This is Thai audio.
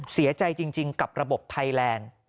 เสียใจจริงกับระบบไทยแลนด์